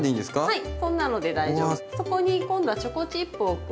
はい。